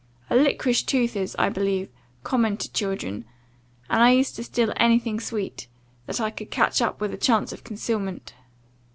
A liquorish tooth is, I believe, common to children, and I used to steal any thing sweet, that I could catch up with a chance of concealment.